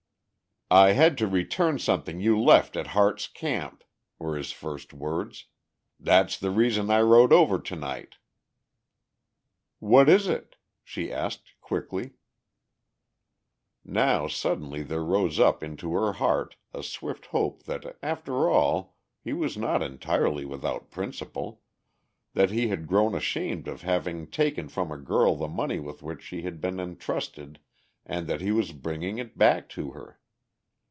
"I had to return something you left at Harte's Camp," were his first words. "That's the reason I rode over tonight." "What is it?" she asked quickly. Now suddenly there rose up into her heart a swift hope that after all he was not entirely without principle, that he had grown ashamed of having taken from a girl the money with which she had been entrusted and that he was bringing it back to her.